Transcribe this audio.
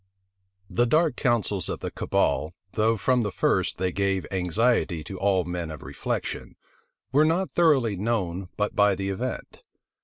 The dark counsels of the cabal, though from the first they gave anxiety to all men of reflection, were not thoroughly known but by the event.